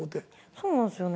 そうなんすよね。